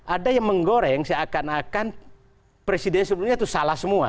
ada yang menggoreng seakan akan presiden sebelumnya itu salah semua